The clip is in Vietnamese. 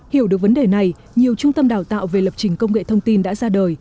hiểu được vấn đề này nhiều trung tâm đào tạo về lập trình công nghệ thông tin đã ra đời